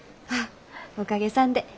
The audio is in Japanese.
あっおかげさんで。